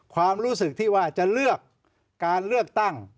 ความรู้สึกที่ว่าจะเลือกการเลือกตั้ง